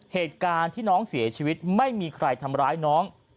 เหตุการณ์ที่น้องเสียชีวิตไม่มีใครทำร้ายน้อง